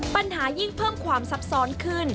ปัญหายิ่งเพิ่มความซับซ้อนขึ้น